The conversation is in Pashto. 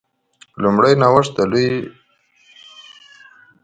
لومړنی نوښت د لویې شورا جوړول و